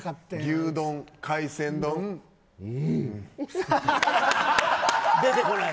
牛丼、海鮮丼、うん。出てこない。